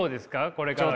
これからは。